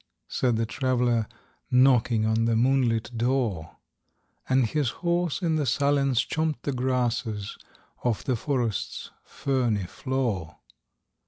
said the Traveler, Knocking on the moonlit door; And his horse in the silence chomped the grasses Of the forest's ferny floor.